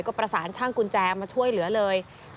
ก็ประสานช่างกุญแจมาช่วยเหลือเลย